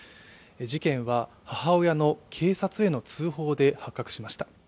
事件は母親の警察への通報で発覚しました。